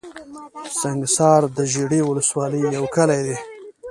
سنګحصار دژړۍ ولسوالۍ يٶ کلى دئ